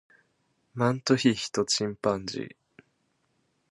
マントヒヒとチンパンジー